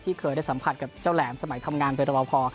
เคยได้สัมผัสกับเจ้าแหลมสมัยทำงานเป็นรบพอ